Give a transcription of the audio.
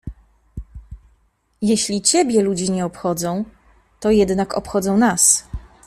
— Jeśli ciebie ludzie nie obchodzą, to jednak obchodzą nas.